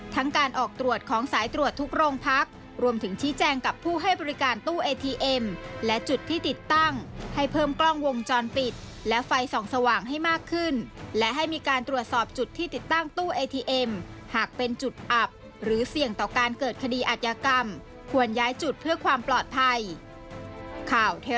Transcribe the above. ทั้งการออกตรวจของสายตรวจทุกโรงพัก